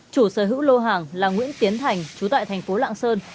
chủ sở hữu lô hàng là nguyễn tiến thành chú tại thành phố lạng sơn